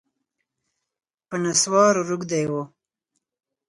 په نسوارو روږدی و